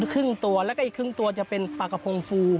ครึ่งตัวแล้วก็อีกครึ่งตัวจะเป็นปลากระพงฟู